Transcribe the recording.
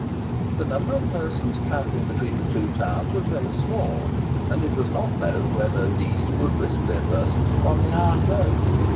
The number of persons travelling between the two towns was very small; and it was not known whether these would risk their persons upon the iron road.